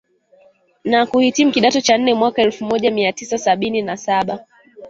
na kuhitimu kidato cha nne mwaka Elfu moja mia tisa sabini na saba